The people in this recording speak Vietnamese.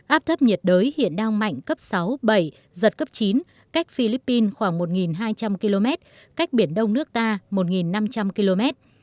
áp thấp nhiệt đới hiện đang mạnh cấp sáu bảy giật cấp chín cách philippines khoảng một hai trăm linh km cách biển đông nước ta một năm trăm linh km